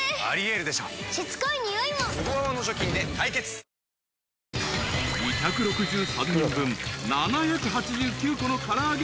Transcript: ぷはーっ［２６３人分７８９個の唐揚げ。